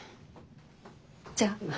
じゃあ。